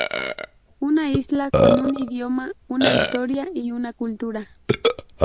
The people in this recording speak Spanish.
Una isla con un idioma, una historia y una cultura.